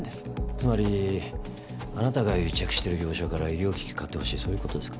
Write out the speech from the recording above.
つまりあなたが癒着してる業者から医療機器買ってほしいそういうことですか？